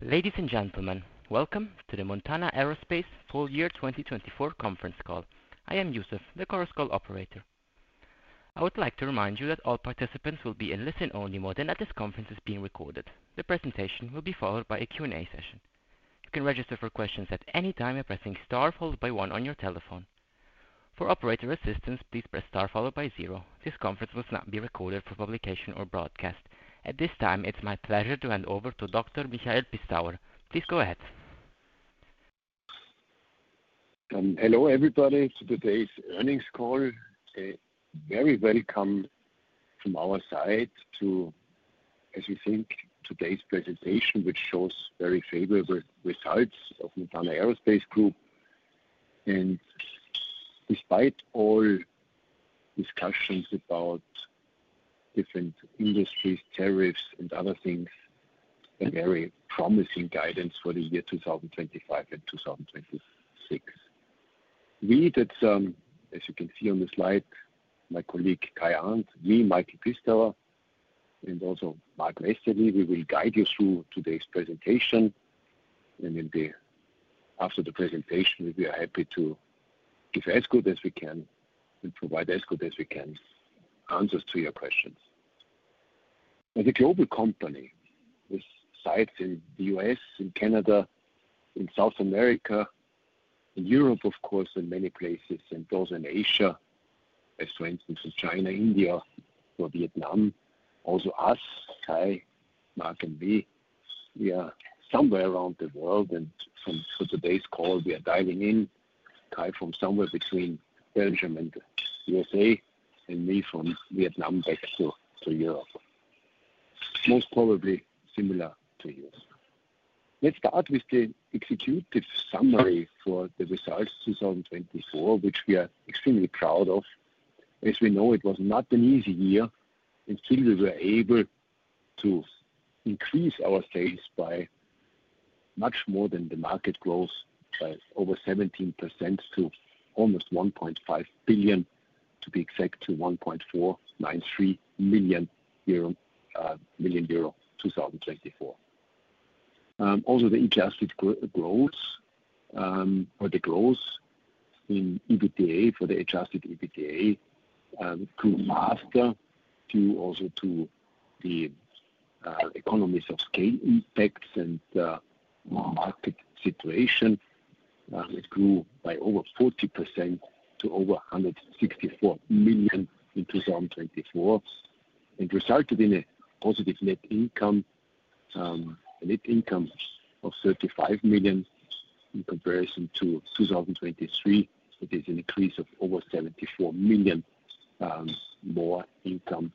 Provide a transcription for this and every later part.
Ladies and gentlemen, welcome to the Montana Aerospace full year 2024 conference call. I am Yusuf, the corresponding operator. I would like to remind you that all participants will be in listen-only mode and that this conference is being recorded. The presentation will be followed by a Q&A session. You can register for questions at any time by pressing star followed by one on your telephone. For operator assistance, please press star followed by zero. This conference will not be recorded for publication or broadcast. At this time, it's my pleasure to hand over to Dr. Michael Pistauer. Please go ahead. Hello, everybody, to today's earnings call. Very welcome from our side to, as we think, today's presentation, which shows very favorable results of Montana Aerospace Group. Despite all discussions about different industries, tariffs, and other things, a very promising guidance for the year 2025 and 2026. We, as you can see on the slide, my colleague Kai Arndt, me, Michael Pistauer, and also Marc Vesely, we will guide you through today's presentation. After the presentation, we'll be happy to give as good as we can and provide as good as we can answers to your questions. As a global company, this sits in the U.S., in Canada, in South America, in Europe, of course, in many places, and those in Asia, as for instance, in China, India, or Vietnam. Also us, Kai, Marc, and me, we are somewhere around the world. For today's call, we are diving in, Kai from somewhere between Belgium and the U.S.A., and me from Vietnam back to Europe. Most probably similar to you. Let's start with the executive summary for the results 2024, which we are extremely proud of. As we know, it was not an easy year. Still, we were able to increase our sales by much more than the market growth, by over 17% to almost 1.5 billion, to be exact, to 1.493 billion euro in 2024. Also, the adjusted growth for the growth in EBITDA, for the adjusted EBITDA, grew faster due also to the economies of scale impacts and market situation. It grew by over 40% to over 164 million in 2024 and resulted in a positive net income, a net income of 35 million in comparison to 2023. It is an increase of over 74 million more income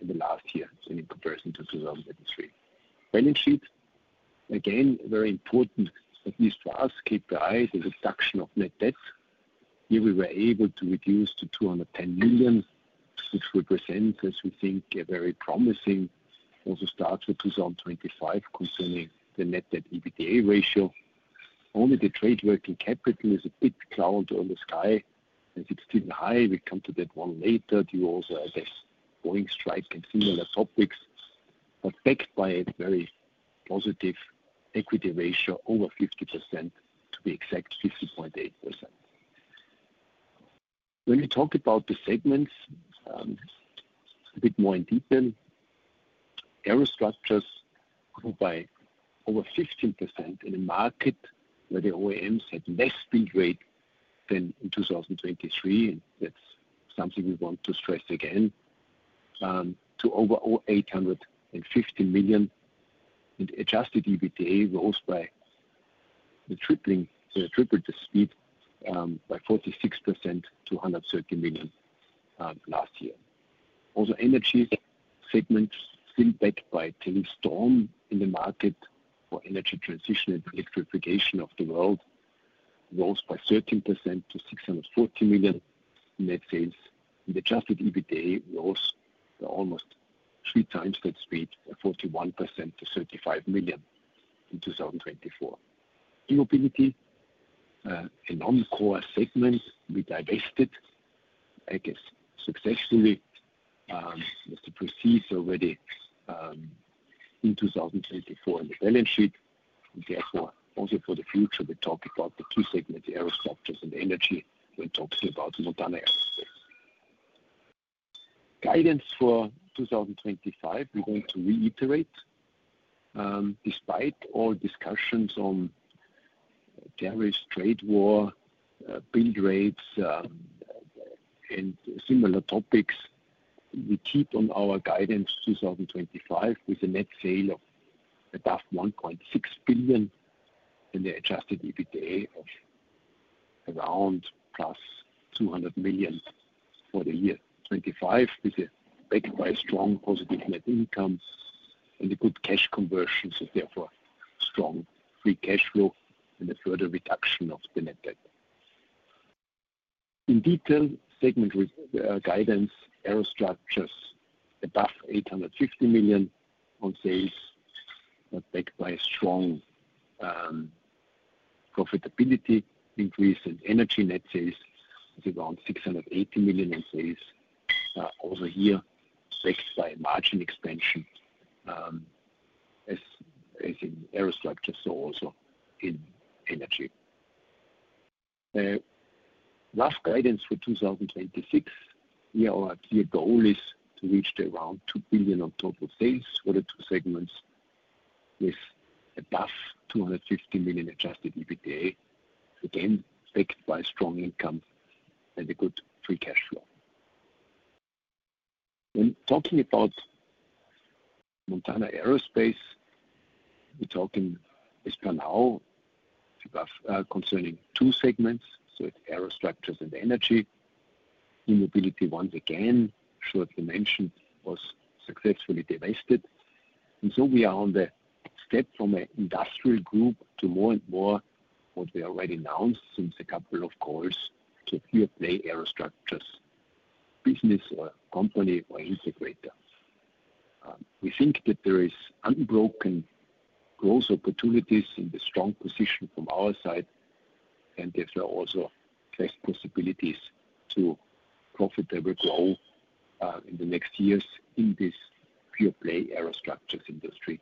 in the last year than in comparison to 2023. Balance sheet, again, very important, at least for us, KPIs, the reduction of net debt. Here we were able to reduce to 210 million, which represents, as we think, a very promising also start for 2025 concerning the net debt EBITDA ratio. Only the trade working capital is a bit cloud on the sky. As it's still high, we come to that one later due also at this Boeing strike and similar topics, but backed by a very positive equity ratio, over 50%, to be exact, 50.8%. When we talk about the segments a bit more in detail, aerostructures grew by over 15% in a market where the OEMs had less build rate than in 2023. That's something we want to stress again, to over 850 million. Adjusted EBITDA rose by tripling the speed by 46% to 130 million last year. Also, Energy segment, still backed by TeleStorm in the market for energy transition and electrification of the world, rose by 13% to 640 million net sales. Adjusted EBITDA rose almost three times that speed, 41% to 35 million in 2024. E-mobility, a non-core segment, we divested, I guess, successfully as the proceeds already in 2024 in the balance sheet. Therefore, also for the future, we talk about the two segments, Aerostructures and Energy, when talking about Montana Aerospace. Guidance for 2025, we want to reiterate. Despite all discussions on tariffs, trade war, build rates, and similar topics, we keep on our guidance 2025 with a net sale of above 1.6 billion and an adjusted EBITDA of around plus 200 million for the year 2025. This is backed by strong positive net income and a good cash conversion, so therefore strong free cash flow and a further reduction of the net debt. In detail, segment guidance, aerostructures above 850 million on sales, backed by strong profitability increase and energy net sales, around 680 million on sales. Also here, backed by margin expansion, as in aerostructures, so also in energy. Last guidance for 2026, our clear goal is to reach around 2 billion on total sales for the two segments with above 250 million adjusted EBITDA, again, backed by strong income and a good free cash flow. When talking about Montana Aerospace, we're talking as per now concerning two segments, so it's aerostructures and energy. E-mobility, once again, shortly mentioned, was successfully divested. We are on the step from an industrial group to more and more what we already announced since a couple of calls to a few of the aerostructures, business or company or integrator. We think that there are unbroken growth opportunities in the strong position from our side, and there are also best possibilities to profitable grow in the next years in this pure play aerostructures industry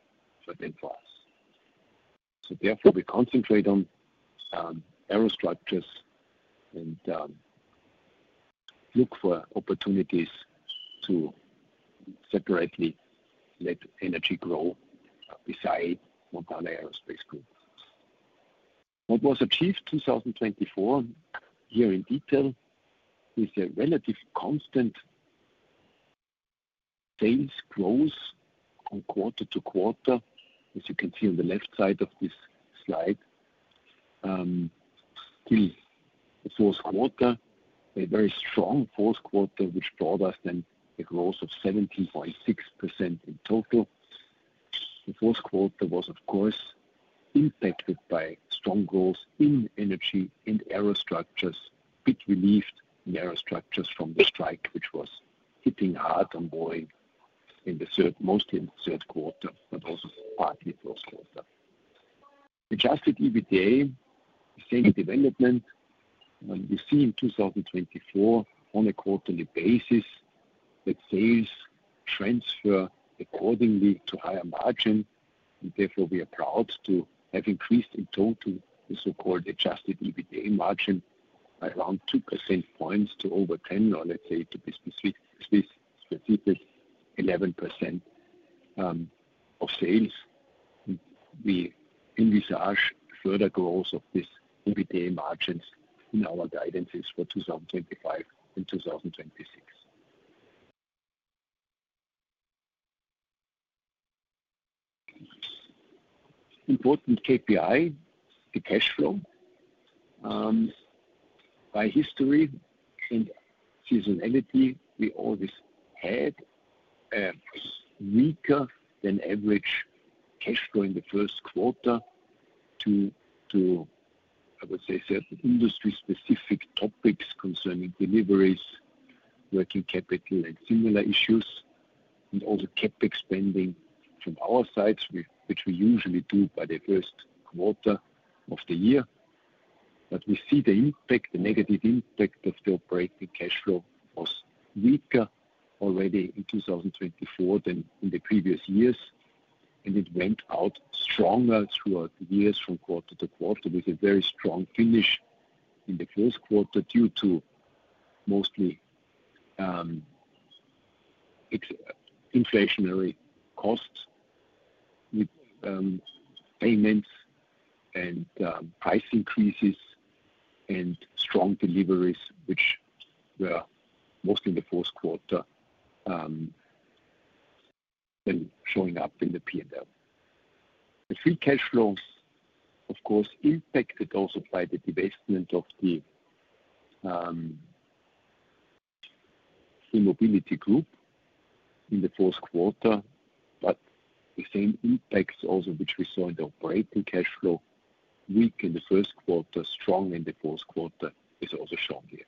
for us. Therefore, we concentrate on aerostructures and look for opportunities to separately let energy grow beside Montana Aerospace Group. What was achieved in 2024, here in detail, is a relatively constant sales growth from quarter-to-quarter, as you can see on the left side of this slide. Still, the fourth quarter, a very strong fourth quarter, which brought us then a growth of 17.6% in total. The fourth quarter was, of course, impacted by strong growth in energy and aerostructures, a bit relieved in aerostructures from the strike, which was hitting hard on Boeing in the third, mostly in the third quarter, but also partly in the fourth quarter. Adjusted EBITDA, the same development, we see in 2024 on a quarterly basis that sales transfer accordingly to higher margin. Therefore, we are proud to have increased in total the so-called adjusted EBITDA margin by around 2 percentage points to over 10%, or let's say to be specific, 11% of sales. We envisage further growth of this EBITDA margin in our guidance for 2025 and 2026. Important KPI, the cash flow. By history and seasonality, we always had a weaker than average cash flow in the first quarter due to, I would say, certain industry-specific topics concerning deliveries, working capital, and similar issues. CapEx spending from our side, which we usually do by the first quarter of the year. We see the impact, the negative impact of the operating cash flow was weaker already in 2024 than in the previous years. It went out stronger throughout the years from quarter-to-quarter with a very strong finish in the fourth quarter due to mostly inflationary costs with payments and price increases and strong deliveries, which were mostly in the fourth quarter than showing up in the P&L. The free cash flow, of course, impacted also by the divestment of the E-mobility Group in the fourth quarter. The same impacts also, which we saw in the operating cash flow, weak in the first quarter, strong in the fourth quarter, is also shown here.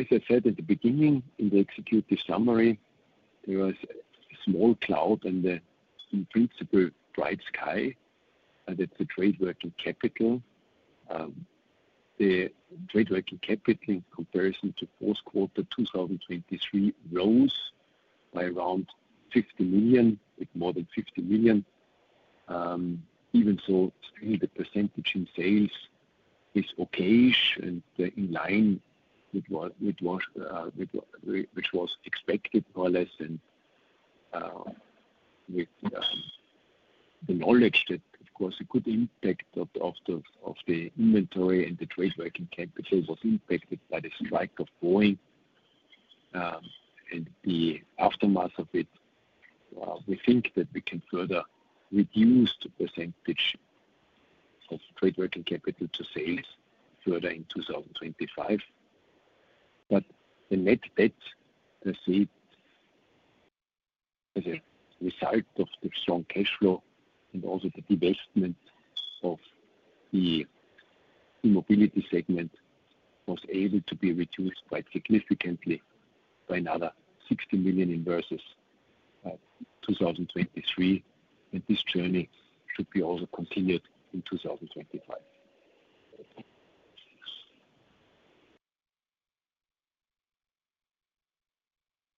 As I said at the beginning, in the executive summary, there was a small cloud and in principle bright sky that the trade working capital. The trade working capital in comparison to fourth quarter 2023 rose by around 50 million, with more than 50 million. Even so, still the percentage in sales is okay and in line with what was expected, more or less. With the knowledge that, of course, a good impact of the inventory and the trade working capital was impacted by the strike of Boeing and the aftermath of it, we think that we can further reduce the percentage of trade working capital to sales further in 2025. The net debt, as a result of the strong cash flow and also the divestment of the E-mobility segment, was able to be reduced quite significantly by another 60 million in versus 2023. This journey should be also continued in 2025.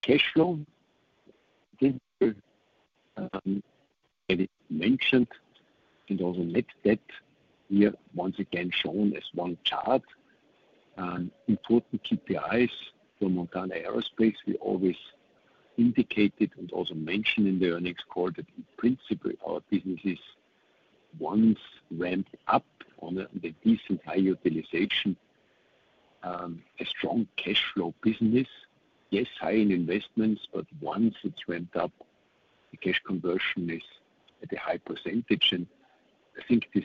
Cash flow, again, as I mentioned, and also net debt here once again shown as one chart. Important KPIs for Montana Aerospace, we always indicated and also mentioned in the earnings call that in principle our business is once ramped up on a decent high utilization, a strong cash flow business. Yes, high in investments, but once it is ramped up, the cash conversion is at a high percentage. I think this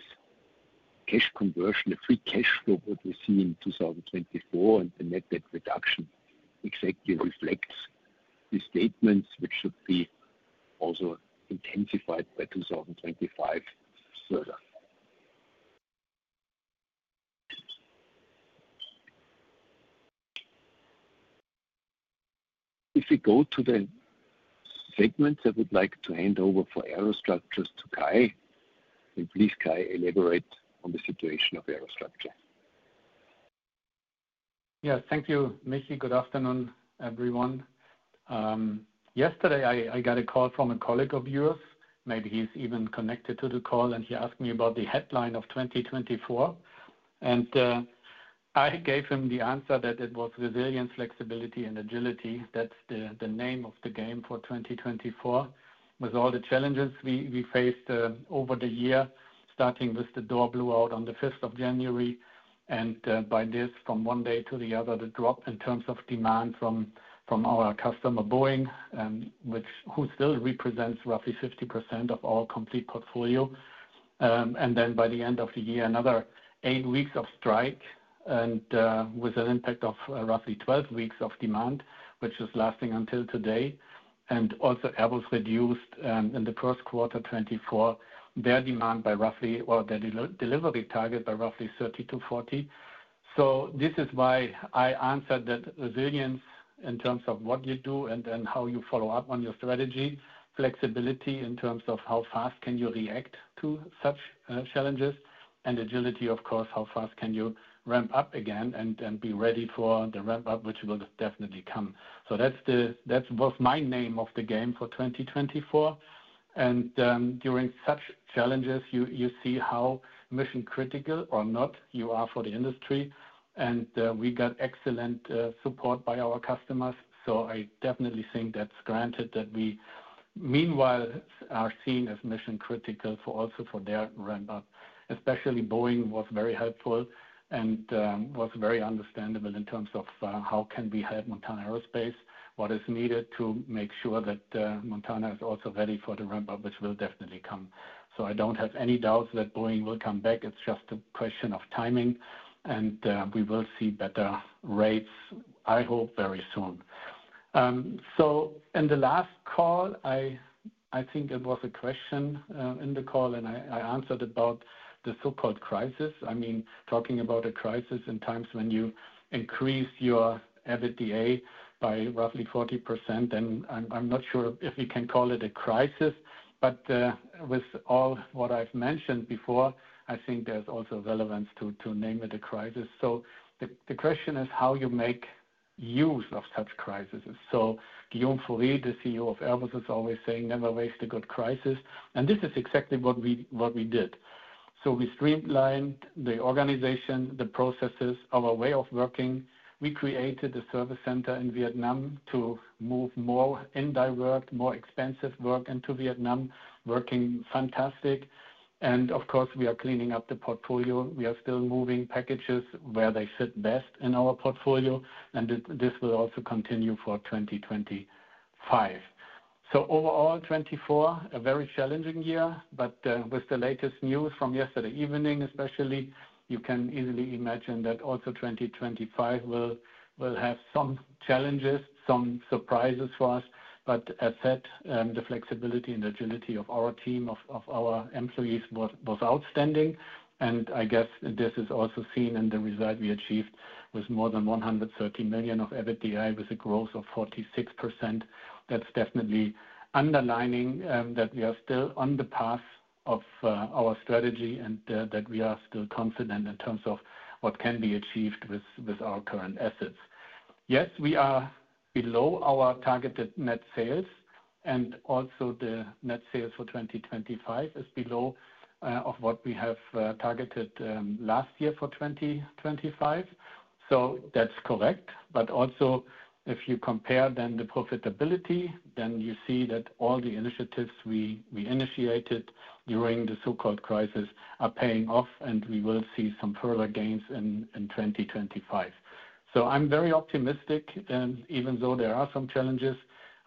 cash conversion, the free cash flow that we see in 2024 and the net debt reduction exactly reflects the statements which should be also intensified by 2025 further. If we go to the segments, I would like to hand over for aerostructures to Kai. Please, Kai, elaborate on the situation of aerostructures. Thank you, Micky. Good afternoon, everyone. Yesterday, I got a call from a colleague of yours. Maybe he's even connected to the call, and he asked me about the headline of 2024. I gave him the answer that it was resilience, flexibility, and agility. That's the name of the game for 2024, with all the challenges we faced over the year, starting with the door blew out on the 5th of January. By this, from one day to the other, the drop in terms of demand from our customer Boeing, which still represents roughly 50% of our complete portfolio. By the end of the year, another eight weeks of strike and with an impact of roughly 12 weeks of demand, which is lasting until today. Also, Airbus reduced in the first quarter 2024 their demand by roughly, or their delivery target by roughly 30%-40%. This is why I answered that resilience in terms of what you do and then how you follow up on your strategy, flexibility in terms of how fast can you react to such challenges, and agility, of course, how fast can you ramp up again and be ready for the ramp-up, which will definitely come. That was my name of the game for 2024. During such challenges, you see how mission-critical or not you are for the industry. We got excellent support by our customers. I definitely think that's granted that we, meanwhile, are seen as mission-critical also for their ramp-up. Especially Boeing was very helpful and was very understandable in terms of how can we help Montana Aerospace, what is needed to make sure that Montana is also ready for the ramp-up, which will definitely come. I don't have any doubts that Boeing will come back. It's just a question of timing. We will see better rates, I hope, very soon. In the last call, I think it was a question in the call, and I answered about the so-called crisis. I mean, talking about a crisis in times when you increase your EBITDA by roughly 40%, then I'm not sure if we can call it a crisis. With all what I've mentioned before, I think there's also relevance to name it a crisis. The question is how you make use of such crises. Guillaume Faury, the CEO of Airbus, is always saying, "Never waste a good crisis." This is exactly what we did. We streamlined the organization, the processes, our way of working. We created a service center in Vietnam to move more indirect, more expensive work into Vietnam, working fantastic. Of course, we are cleaning up the portfolio. We are still moving packages where they fit best in our portfolio. This will also continue for 2025. Overall, 2024, a very challenging year. With the latest news from yesterday evening, especially, you can easily imagine that also 2025 will have some challenges, some surprises for us. As said, the flexibility and agility of our team, of our employees, was outstanding. I guess this is also seen in the result we achieved with more than 130 million of EBITDA with a growth of 46%. That is definitely underlining that we are still on the path of our strategy and that we are still confident in terms of what can be achieved with our current assets. Yes, we are below our targeted net sales. Also, the net sales for 2025 is below what we have targeted last year for 2025. That is correct. If you compare the profitability, you see that all the initiatives we initiated during the so-called crisis are paying off, and we will see some further gains in 2025. I am very optimistic. Even though there are some challenges,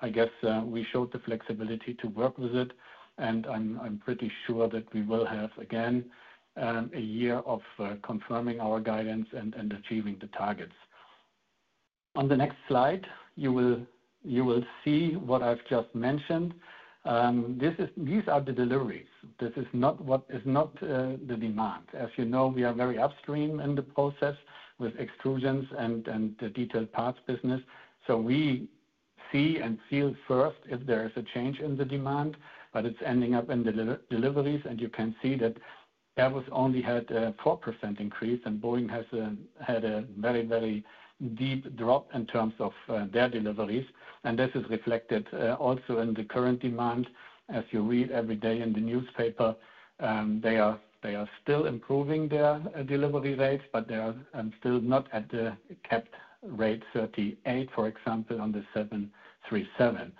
I guess we showed the flexibility to work with it. I am pretty sure that we will have, again, a year of confirming our guidance and achieving the targets. On the next slide, you will see what I have just mentioned. These are the deliveries. This is not the demand. As you know, we are very upstream in the process with extrusions and the detailed parts business. We see and feel first if there is a change in the demand, but it's ending up in the deliveries. You can see that Airbus only had a 4% increase, and Boeing has had a very, very deep drop in terms of their deliveries. This is reflected also in the current demand. As you read every day in the newspaper, they are still improving their delivery rates, but they are still not at the capped rate 38, for example, on the 737.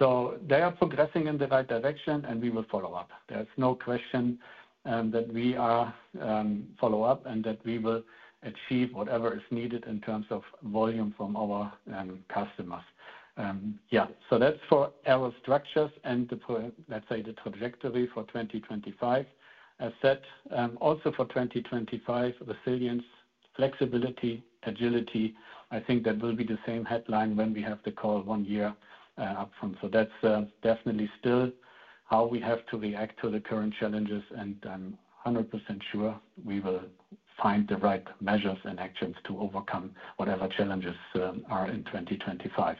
They are progressing in the right direction, and we will follow up. There's no question that we follow up and that we will achieve whatever is needed in terms of volume from our customers. Yeah. That's for aerostructures and, let's say, the trajectory for 2025. As said, also for 2025, resilience, flexibility, agility. I think that will be the same headline when we have the call one year upfront. That is definitely still how we have to react to the current challenges. I am 100% sure we will find the right measures and actions to overcome whatever challenges are in 2025.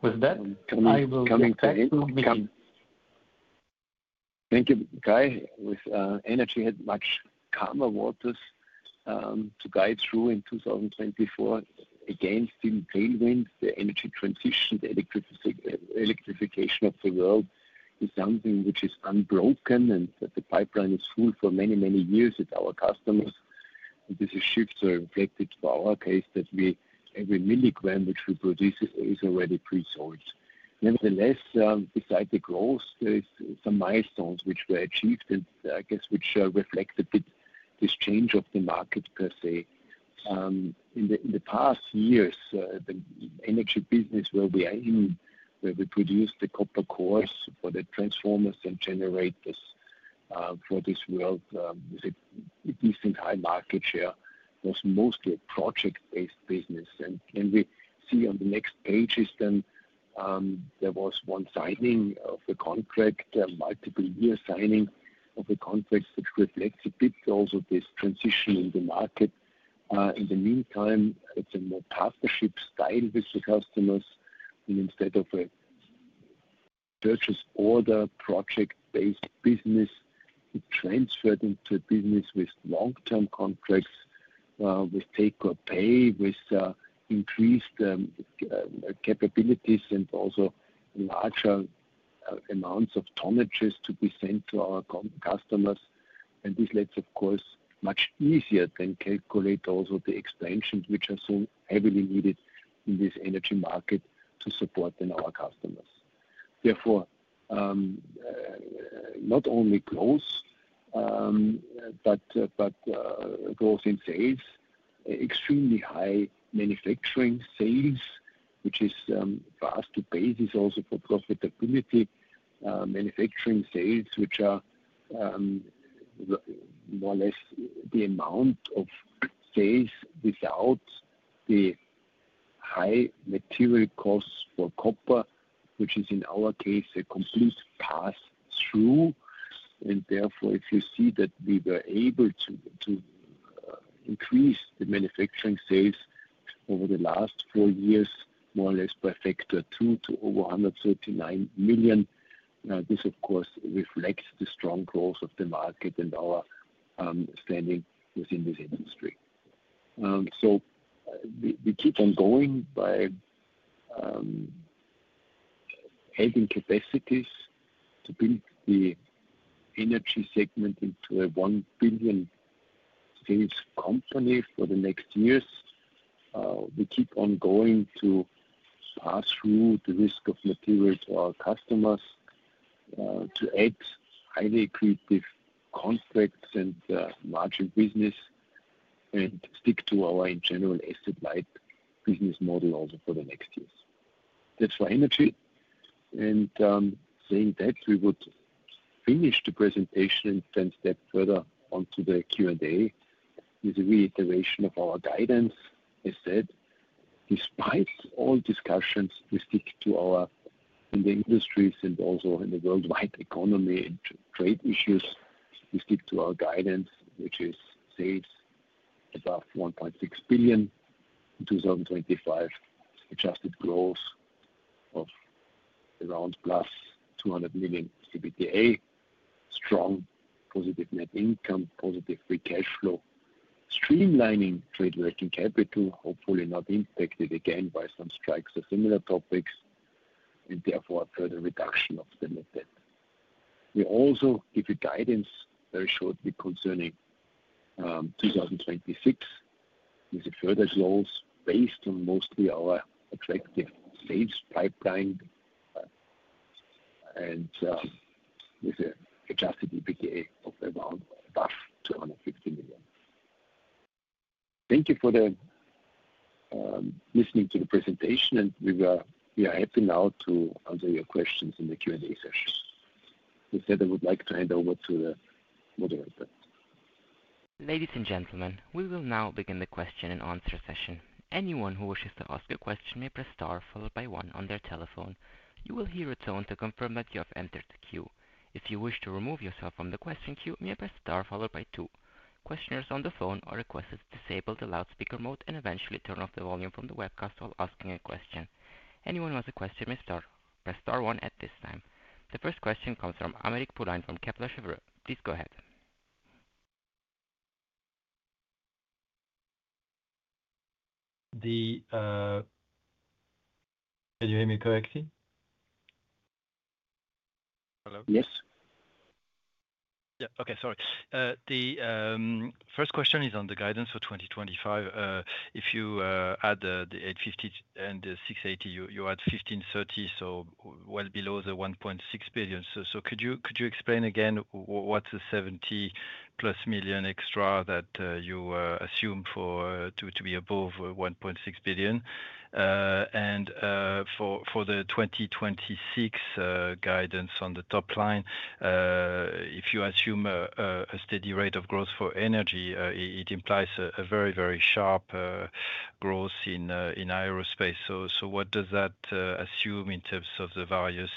With that, I will say thank you, Kai, with energy headwaters to guide through in 2024. Again, still tailwinds, the energy transition, the electrification of the world is something which is unbroken and that the pipeline is full for many, many years with our customers. This is shift reflected for our case that every milligram which we produce is already pre-sold. Nevertheless, beside the growth, there are some milestones which were achieved and I guess which reflect a bit this change of the market per se. In the past years, the energy business where we are in, where we produce the copper cores for the transformers and generators for this world with a decent high market share, was mostly a project-based business. We see on the next pages then there was one signing of a contract, multiple-year signing of a contract which reflects a bit also this transition in the market. In the meantime, it is a more partnership style with the customers. Instead of a purchase order project-based business, it is transferred into a business with long-term contracts with take or pay, with increased capabilities and also larger amounts of tonnages to be sent to our customers. This lets, of course, much easier than calculate also the expansions which are so heavily needed in this energy market to support our customers. Therefore, not only growth, but growth in sales, extremely high manufacturing sales, which is fast to base is also for profitability, manufacturing sales, which are more or less the amount of sales without the high material costs for copper, which is in our case a complete pass-through. If you see that we were able to increase the manufacturing sales over the last four years, more or less by factor two to over 139 million, this, of course, reflects the strong growth of the market and our standing within this industry. We keep on going by having capacities to build the energy segment into a one-billion sales company for the next years. We keep on going to pass through the risk of materials to our customers, to add highly creative contracts and margin business, and stick to our general asset-light business model also for the next years. That's for energy. Saying that, we would finish the presentation and then step further onto the Q&A with a reiteration of our guidance. As said, despite all discussions, we stick to our in the industries and also in the worldwide economy and trade issues. We stick to our guidance, which is sales above 1.6 billion in 2025, adjusted growth of around plus 200 million EBITDA, strong positive net income, positive free cash flow, streamlining trade working capital, hopefully not impacted again by some strikes or similar topics, and therefore further reduction of the net debt. We also give you guidance very shortly concerning 2026 with further growth based on mostly our attractive sales pipeline and with an adjusted EBITDA of around above 250 million. Thank you for listening to the presentation, and we are happy now to answer your questions in the Q&A session. As said, I would like to hand over to the moderator. Ladies and gentlemen, we will now begin the question and answer session. Anyone who wishes to ask a question may press star followed by one on their telephone. You will hear a tone to confirm that you have entered the queue. If you wish to remove yourself from the question queue, you may press star followed by two. Questioners on the phone are requested to disable the loudspeaker mode and eventually turn off the volume from the webcast while asking a question. Anyone who has a question may press star one at this time. The first question comes from Aymeric Poulain from Kepler Cheuvreux. Please go ahead. Can you hear me correctly? Hello? Yes. Yeah. Okay. Sorry. The first question is on the guidance for 2025. If you add the 850 and the 680, you add 1,530, so well below the 1.6 billion. Could you explain again what's the 70+ million extra that you assume to be above 1.6 billion? For the 2026 guidance on the top line, if you assume a steady rate of growth for energy, it implies a very, very sharp growth in aerospace. What does that assume in terms of the various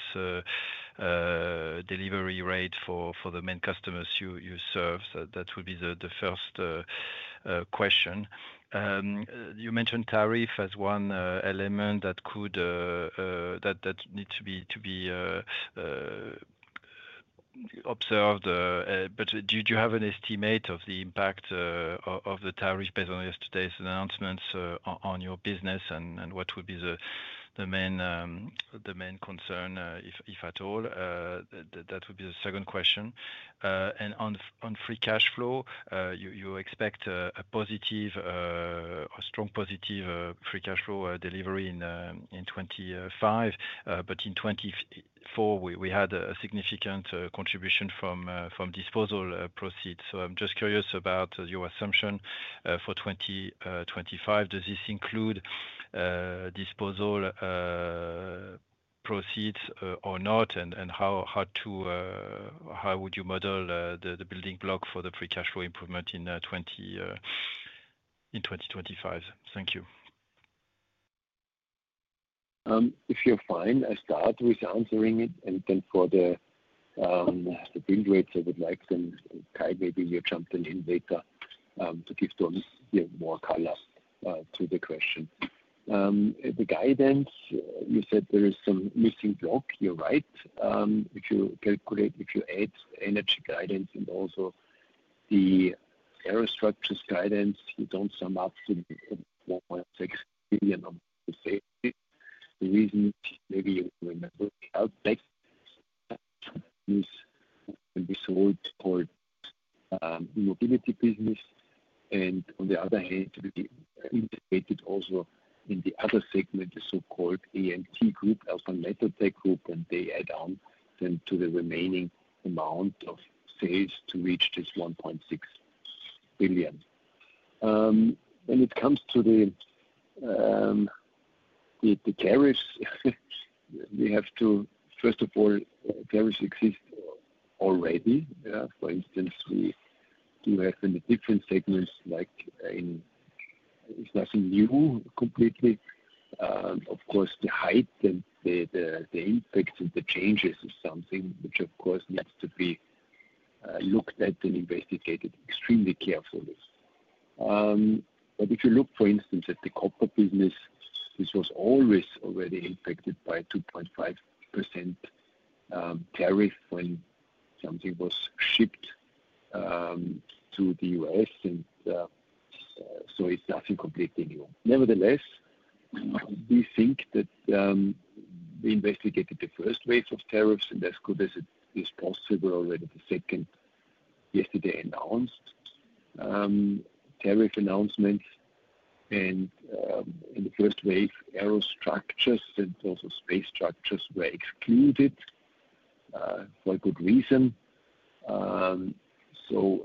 delivery rates for the main customers you serve? That would be the first question. You mentioned tariff as one element that needs to be observed. Do you have an estimate of the impact of the tariff based on yesterday's announcements on your business and what would be the main concern, if at all? That would be the second question. On free cash flow, you expect a strong positive free cash flow delivery in 2025. In 2024, we had a significant contribution from disposal proceeds. I'm just curious about your assumption for 2025. Does this include disposal proceeds or not? How would you model the building block for the free cash flow improvement in 2025? Thank you. If you're fine, I'll start with answering it. For the build rates, I would like Kai, maybe you jump in later to give more color to the question. The guidance, you said there is some missing block. You're right. If you calculate, if you add energy guidance and also the aerostructures guidance, you don't sum up to EUR 1.6 billion of sales. The reason, maybe you remember, is we sold the called mobility business. On the other hand, we integrated also in the other segment, the so-called AMT group, Alpine Metal Tech Group, and they add on then to the remaining amount of sales to reach this 1.6 billion. When it comes to the tariffs, we have to, first of all, tariffs exist already. For instance, we do have in the different segments like in. It's nothing new completely. Of course, the height and the impact of the changes is something which, of course, needs to be looked at and investigated extremely carefully. If you look, for instance, at the copper business, this was always already impacted by a 2.5% tariff when something was shipped to the U.S., so it's nothing completely new. Nevertheless, we think that we investigated the first wave of tariffs and as good as it is possible already the second yesterday announced tariff announcements. In the first wave, aerostructures and also space structures were excluded for a good reason. Also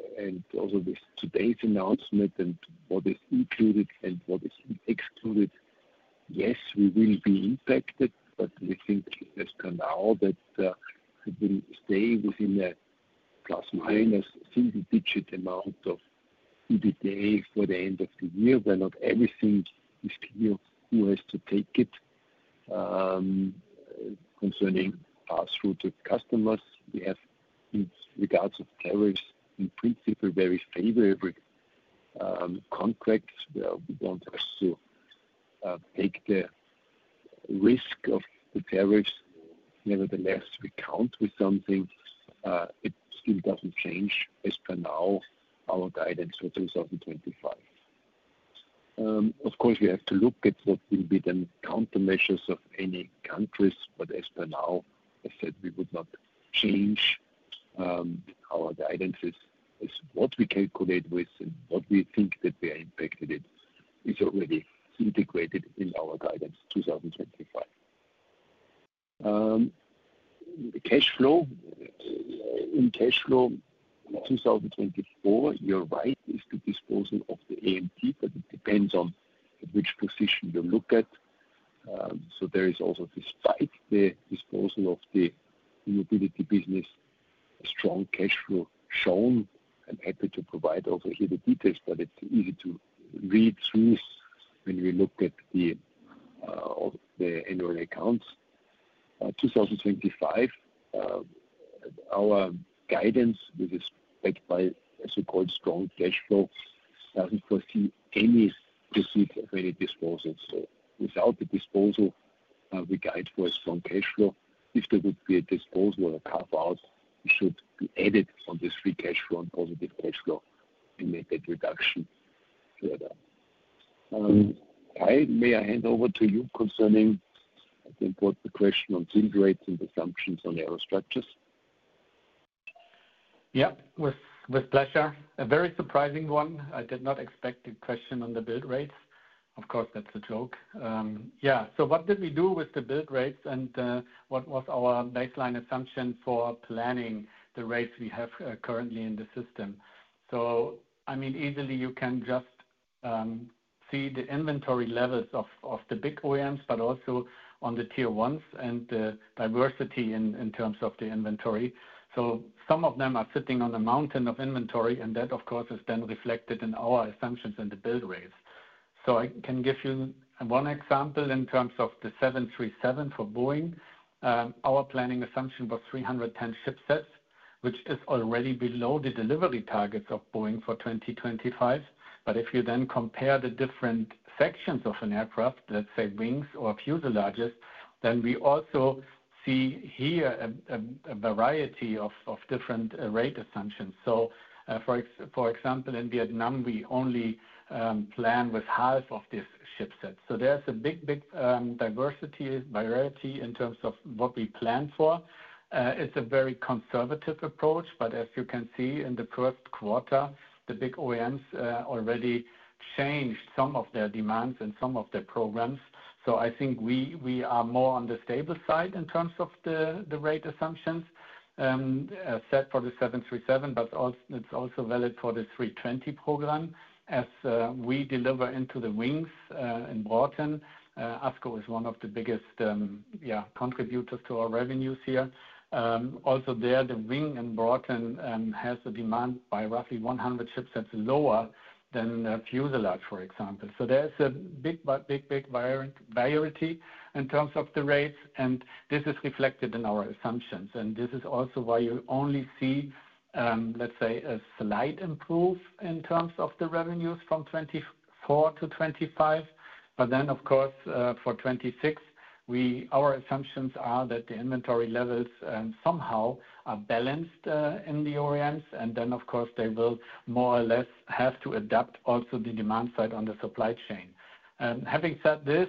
with today's announcement and what is included and what is excluded, yes, we will be impacted, but we think as per now that it will stay within a plus minus single digit amount of EBITDA for the end of the year when not everything is clear who has to take it. Concerning pass-through to customers, we have, in regards of tariffs, in principle, very favorable contracts where we do not have to take the risk of the tariffs. Nevertheless, we count with something. It still does not change as per now, our guidance for 2025. Of course, we have to look at what will be the countermeasures of any countries, but as per now, as said, we would not change our guidances. What we calculate with and what we think that we are impacted with is already integrated in our guidance 2025. In cash flow in 2024, your right is the disposal of the AMT, but it depends on which position you look at. There is also this fight, the disposal of the mobility business, strong cash flow shown. I'm happy to provide also here the details, but it's easy to read through when we look at the annual accounts. 2025, our guidance, which is backed by a so-called strong cash flow, doesn't foresee any proceeds of any disposal. Without the disposal, we guide for a strong cash flow. If there would be a disposal or a carve-out, it should be added on this free cash flow and positive cash flow to make that reduction further. Kai, may I hand over to you concerning the important question on build rates and assumptions on aerostructures? Yeah, with pleasure. A very surprising one. I did not expect the question on the build rates. Of course, that's a joke. Yeah. What did we do with the build rates and what was our baseline assumption for planning the rates we have currently in the system? I mean, easily you can just see the inventory levels of the big OEMs, but also on the tier ones and the diversity in terms of the inventory. Some of them are sitting on a mountain of inventory, and that, of course, is then reflected in our assumptions and the build rates. I can give you one example in terms of the 737 for Boeing. Our planning assumption was 310 ship sets, which is already below the delivery targets of Boeing for 2025. If you then compare the different sections of an aircraft, let's say wings or fuselages, we also see here a variety of different rate assumptions. For example, in Vietnam, we only plan with half of this ship set. There is a big, big diversity, variety in terms of what we plan for. It's a very conservative approach, but as you can see in the first quarter, the big OEMs already changed some of their demands and some of their programs. I think we are more on the stable side in terms of the rate assumptions set for the 737, but it's also valid for the 320 program as we deliver into the wings in Broughton. ASCO is one of the biggest contributors to our revenues here. Also there, the wing in Broughton has a demand by roughly 100 ship sets lower than a fuselage, for example. There is a big, big variety in terms of the rates, and this is reflected in our assumptions. This is also why you only see, let's say, a slight improvement in terms of the revenues from 2024 to 2025. For 2026, our assumptions are that the inventory levels somehow are balanced in the OEMs, and they will more or less have to adapt also the demand side on the supply chain. Having said this,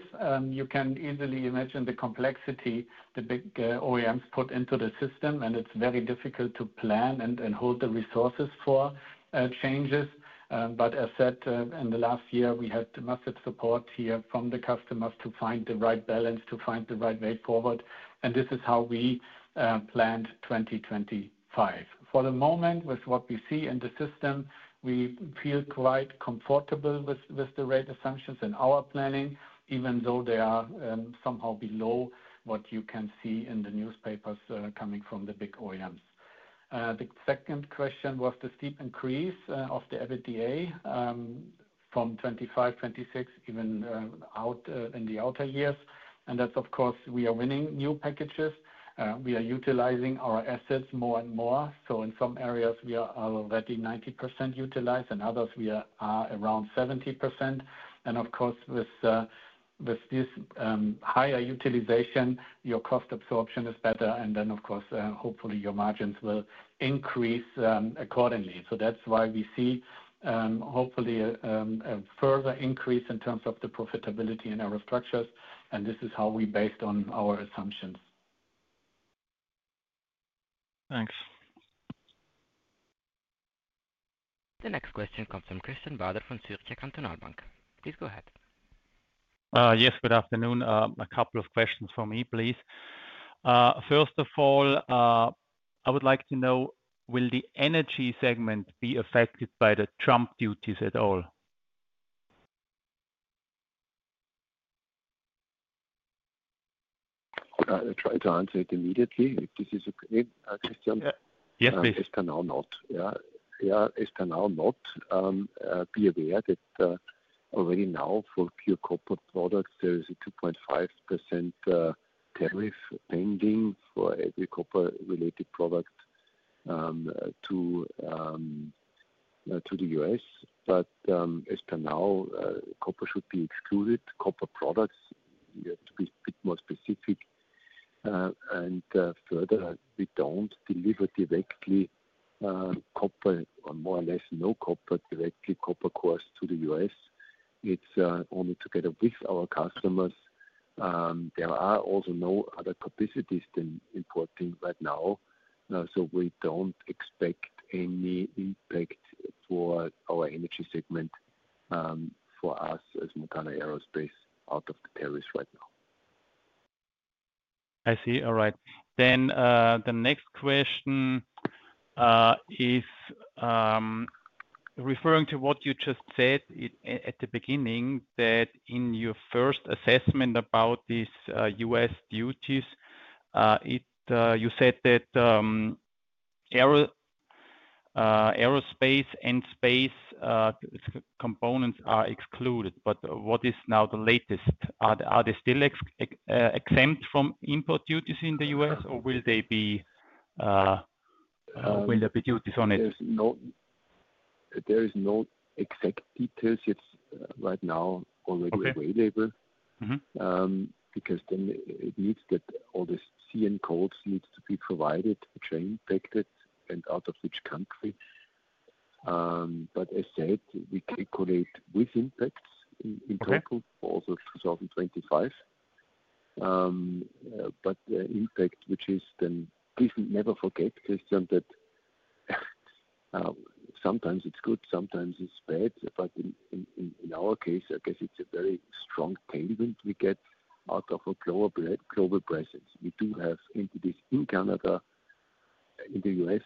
you can easily imagine the complexity the big OEMs put into the system, and it's very difficult to plan and hold the resources for changes. As said, in the last year, we had massive support here from the customers to find the right balance, to find the right way forward. This is how we planned 2025. For the moment, with what we see in the system, we feel quite comfortable with the rate assumptions in our planning, even though they are somehow below what you can see in the newspapers coming from the big OEMs. The second question was the steep increase of the EBITDA from 2025, 2026, even in the outer years. That is, of course, we are winning new packages. We are utilizing our assets more and more. In some areas, we are already 90% utilized, and others we are around 70%. With this higher utilization, your cost absorption is better. Hopefully your margins will increase accordingly. That is why we see hopefully a further increase in terms of the profitability in our structures. This is how we based on our assumptions. Thanks. The next question comes from Christian Bader from Zürcher Kantonalbank. Please go ahead. Yes, good afternoon. A couple of questions for me, please. First of all, I would like to know, will the Energy segment be affected by the Trump duties at all? I'll try to answer it immediately, if this is okay, Christian. Yes, please. As per now, not. Yeah, as per now, not. Be aware that already now for pure copper products, there is a 2.5% tariff pending for every copper-related product to the U.S. As per now, copper should be excluded. Copper products, we have to be a bit more specific. Further, we do not deliver directly copper or more or less no copper directly copper cost to the U.S. It is only together with our customers. There are also no other capacities than importing right now. We do not expect any impact for our Energy segment for us as Montana Aerospace out of the tariffs right now. I see. All right. The next question is referring to what you just said at the beginning, that in your first assessment about these U.S. duties, you said that aerospace and space components are excluded. What is now the latest? Are they still exempt from import duties in the U.S., or will there be duties on it? There are no exact details yet right now on the way label because then it needs that all the CN codes need to be provided, which are impacted and out of which country. As said, we calculate with impacts in total for also 2025. The impact, which is then please never forget, Christian, that sometimes it's good, sometimes it's bad. In our case, I guess it's a very strong payment we get out of a global presence. We do have entities in Canada, in the U.S.,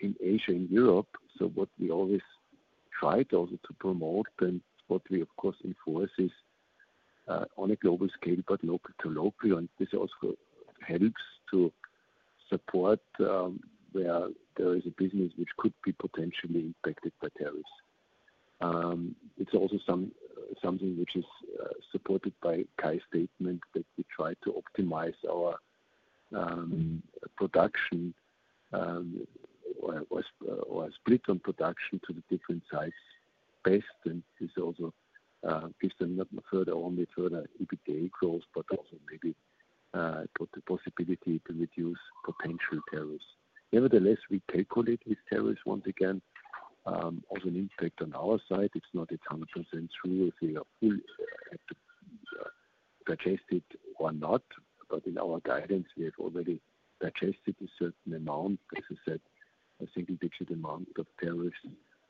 in Asia, in Europe. What we always try to also promote and what we, of course, enforce is on a global scale, but local to local. This also helps to support where there is a business which could be potentially impacted by tariffs. It's also something which is supported by Kai's statement that we try to optimize our production or split on production to the different sites best. This also is not only further EBITDA growth, but also maybe the possibility to reduce potential tariffs. Nevertheless, we calculate with tariffs once again. Also, an impact on our side, it's not 100% true if we have to digest it or not. In our guidance, we have already digested a certain amount, as I said, a single digit amount of tariffs.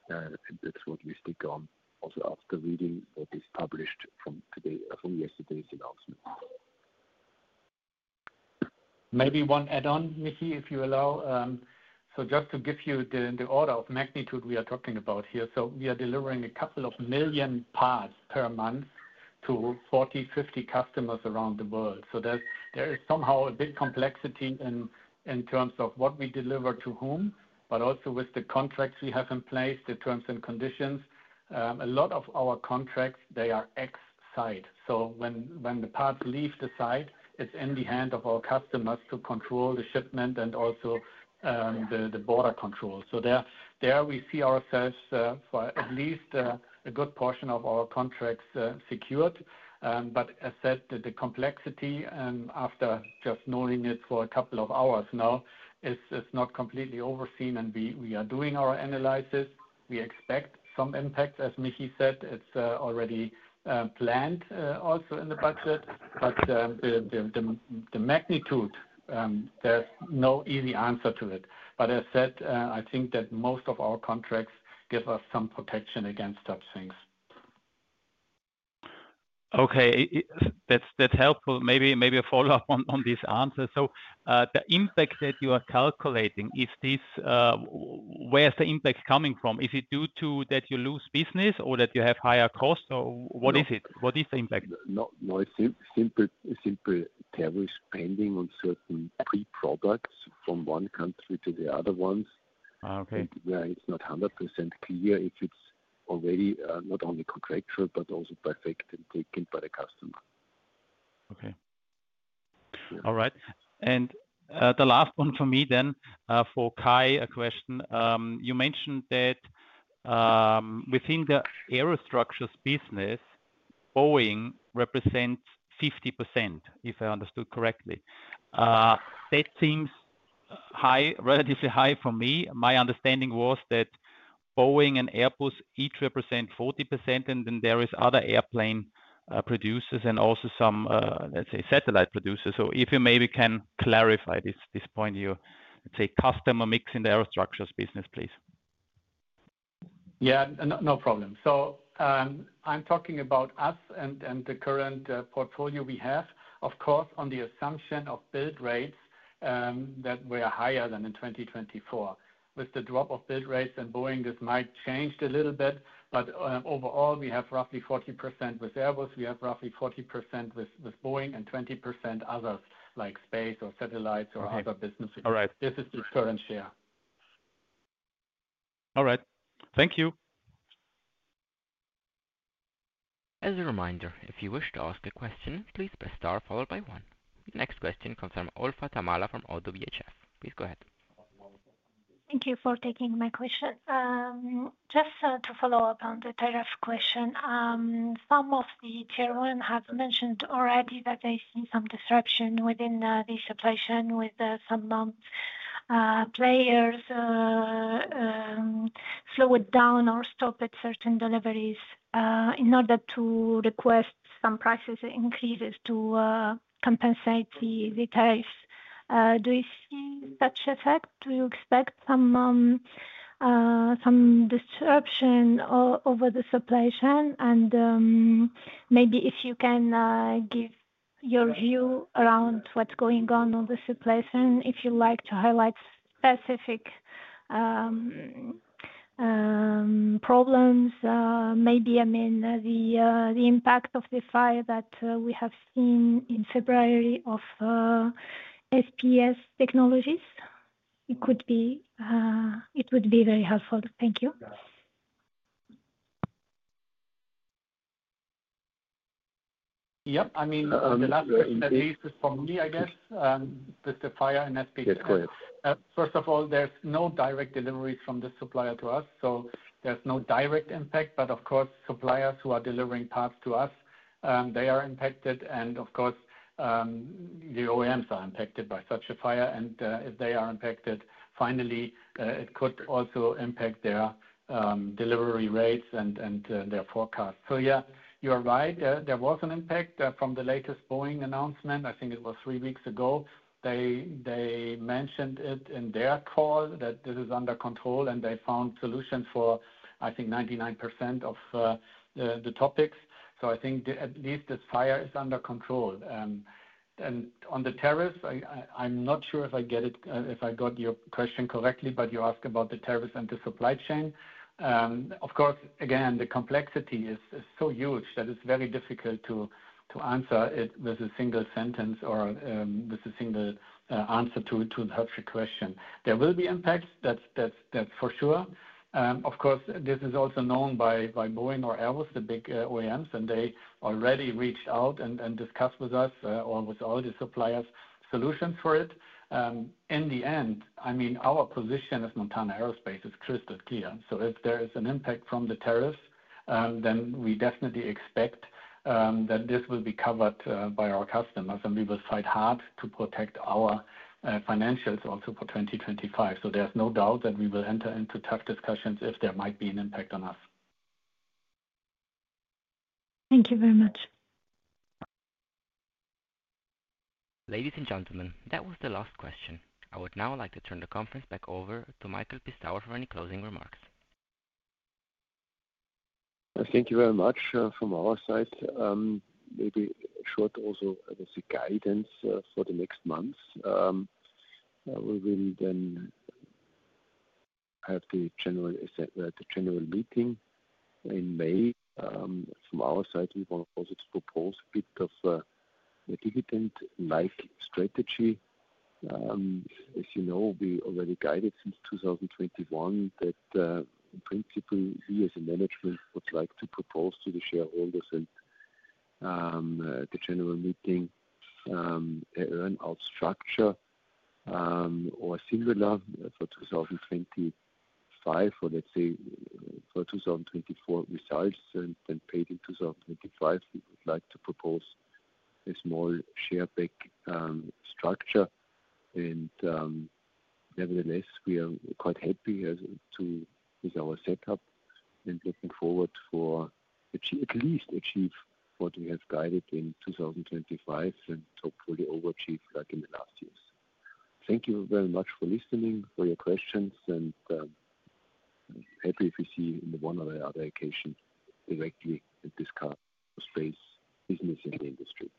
That's what we stick on also after reading what is published from yesterday's announcement. Maybe one add-on, Micky, if you allow. Just to give you the order of magnitude we are talking about here. We are delivering a couple of million parts per month to 40-50 customers around the world. There is somehow a bit of complexity in terms of what we deliver to whom, but also with the contracts we have in place, the terms and conditions. A lot of our contracts are ex-site. When the parts leave the site, it is in the hands of our customers to control the shipment and also the border control. There we see ourselves, for at least a good portion of our contracts, secured. As said, the complexity after just knowing it for a couple of hours now is not completely overseen, and we are doing our analysis. We expect some impacts, as Micky said. It's already planned also in the budget. The magnitude, there's no easy answer to it. As said, I think that most of our contracts give us some protection against such things. Okay. That's helpful. Maybe a follow-up on this answer. The impact that you are calculating, where is the impact coming from? Is it due to that you lose business or that you have higher costs? What is it? What is the impact? No, it's simple tariffs pending on certain pre-products from one country to the other ones. It's not 100% clear if it's already not only contractual, but also perfected and taken by the customer. Okay. All right. The last one for me then for Kai, a question. You mentioned that within the aerostructures business, Boeing represents 50%, if I understood correctly. That seems relatively high for me. My understanding was that Boeing and Airbus each represent 40%, and then there are other airplane producers and also some, let's say, satellite producers. If you maybe can clarify this point, your, let's say, customer mix in the aerostructures business, please. Yeah, no problem. I'm talking about us and the current portfolio we have, of course, on the assumption of build rates that we are higher than in 2024. With the drop of build rates and Boeing, this might change a little bit. Overall, we have roughly 40% with Airbus. We have roughly 40% with Boeing and 20% others like space or satellites or other businesses. This is the current share. All right. Thank you. As a reminder, if you wish to ask a question, please press star followed by one. The next question comes from Olfa Taamallah from ODDO BHF. Please go ahead. Thank you for taking my question. Just to follow up on the tariff question, some of the tier one have mentioned already that they see some disruption within the supply chain with some players slow it down or stop at certain deliveries in order to request some prices increases to compensate the tariffs. Do you see such effect? Do you expect some disruption over the supply chain? Maybe if you can give your view around what's going on on the supply chain, if you'd like to highlight specific problems, maybe I mean the impact of the fire that we have seen in February of SPS Technologies. It would be very helpful. Thank you. Yep. I mean, in the latter cases for me, I guess, the fire in SPS, first of all, there's no direct deliveries from the supplier to us. There is no direct impact. Of course, suppliers who are delivering parts to us, they are impacted. Of course, the OEMs are impacted by such a fire. If they are impacted, finally, it could also impact their delivery rates and their forecast. Yeah, you're right. There was an impact from the latest Boeing announcement. I think it was three weeks ago. They mentioned it in their call that this is under control, and they found solutions for, I think, 99% of the topics. I think at least this fire is under control. On the tariffs, I'm not sure if I got your question correctly, but you asked about the tariffs and the supply chain. Of course, again, the complexity is so huge that it's very difficult to answer it with a single sentence or with a single answer to the question. There will be impacts, that's for sure. Of course, this is also known by Boeing or Airbus, the big OEMs, and they already reached out and discussed with us or with all the suppliers solutions for it. In the end, I mean, our position as Montana Aerospace is crystal clear. If there is an impact from the tariffs, then we definitely expect that this will be covered by our customers, and we will fight hard to protect our financials also for 2025. There is no doubt that we will enter into tough discussions if there might be an impact on us. Thank you very much. Ladies and gentlemen, that was the last question. I would now like to turn the conference back over to Michael Pistauer for any closing remarks. Thank you very much from our side. Maybe short also the guidance for the next months. We will then have the general meeting in May. From our side, we want also to propose a bit of a dividend-like strategy. As you know, we already guided since 2021 that in principle, we as a management would like to propose to the shareholders and the general meeting an earn-out structure or similar for 2025 or let's say for 2024 results and then paid in 2025. We would like to propose a small share-back structure. Nevertheless, we are quite happy with our setup and looking forward to at least achieve what we have guided in 2025 and hopefully overachieve like in the last years. Thank you very much for listening, for your questions, and happy to see you in one or the other occasion directly in this car space business and industry.